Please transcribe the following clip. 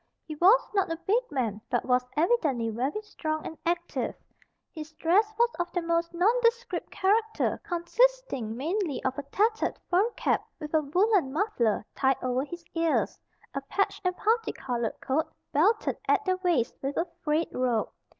He was not a big man, but was evidently very strong and active. His dress was of the most nondescript character, consisting mainly of a tattered fur cap, with a woolen muffler tied over his ears; a patched and parti colored coat belted at the waist with a frayed rope.